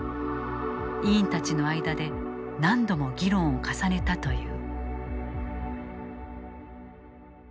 委員たちの間で何度も議論を重ねたという。